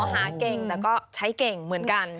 หาเก่งแต่ก็ใช้เก่งเหมือนกัน